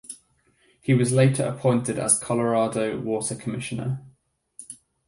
He later was appointed as Colorado Water Commissioner.